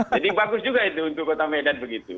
jadi bagus juga itu untuk kota medan begitu